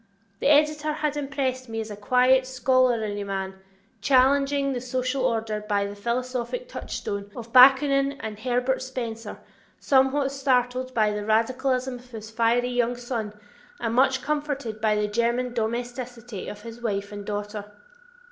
The editor had impressed me as a quiet, scholarly man, challenging the social order by the philosophic touchstone of Bakunin and of Herbert Spencer, somewhat startled by the radicalism of his fiery young son and much comforted by the German domesticity of his wife and daughter.